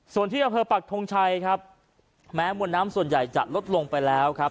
ส่วนที่อำเภอปักทงชัยครับแม้มวลน้ำส่วนใหญ่จะลดลงไปแล้วครับ